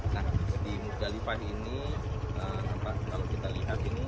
nah di mudalifah ini kalau kita lihat ini